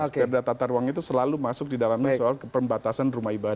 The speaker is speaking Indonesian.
perda tata ruang itu selalu masuk di dalamnya soal keperbatasan rumah ibadah